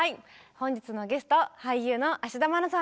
本日のゲスト俳優の田愛菜さんです。